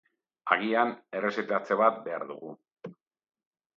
Agian erreseteatze bat behar dugu.